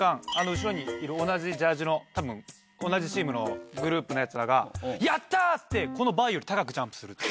後ろにいる同じジャージーの多分同じチームのヤツらが「やった！」ってこのバーより高くジャンプする。